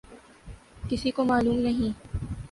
کسی کو معلوم نہیں۔